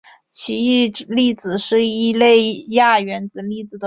奇异粒子是一类亚原子粒子的统称。